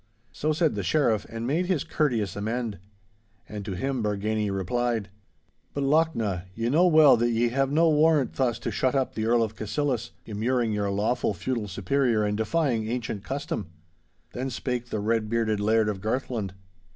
So said the Sheriff, and made his courteous amend. And to him Bargany replied,— 'But, Lochnaw, ye know well that ye have no warrant thus to shut up the Earl of Cassillis, immuring your lawful feudal superior and defying ancient custom.' Then spake the red bearded Laird of Garthland.